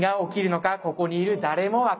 ここにいる誰も分かりません。